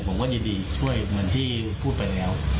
ผมก็ยินดีช่วยเหมือนที่พูดไปแล้ว